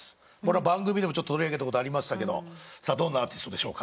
番組でも取り上げたことありましたけどどんなアーティストでしょうか？